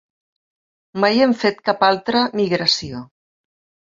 Mai hem fet cal altra migració.